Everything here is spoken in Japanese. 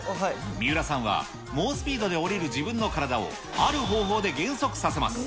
三浦さんは猛スピードで降りる自分の体を、ある方法で減速させます。